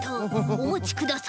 おまちください。